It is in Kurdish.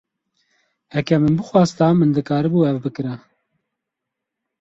Heke min bixwasta min dikaribû ev bikira.